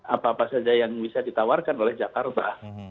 apa apa saja yang bisa ditawarkan oleh jakarta